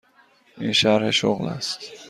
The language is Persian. این شرح شغل است.